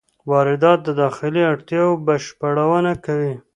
واردات د داخلي اړتیاوو بشپړونه کوي.